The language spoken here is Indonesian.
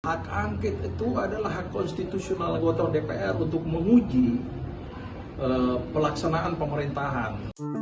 hak angket itu adalah hak konstitusional anggota dpr untuk menguji pelaksanaan pemerintahan